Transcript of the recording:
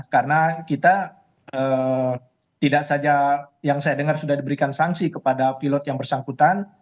karena kita tidak saja yang saya dengar sudah diberikan sanksi kepada pilot yang bersangkutan